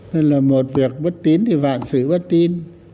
nên là một việc bất tín thì vạn sự bất tin